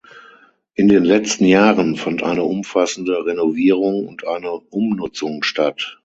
In den letzten Jahren fand eine umfassende Renovierung und eine Umnutzung statt.